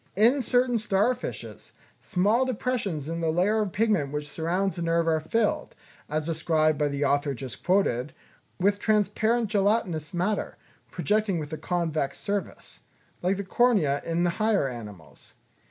In certain star fishes, small depressions in the layer of pigment which surrounds the nerve are filled, as described by the author just quoted, with transparent gelatinous matter, projecting with a convex surface, like the cornea in the higher animals.